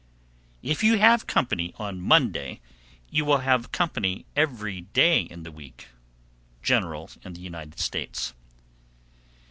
_ 744. If you have company on Monday, you will have company every day in the week. _General in the United States.